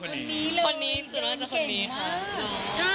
คนนี้เลยเดินเก่งชัด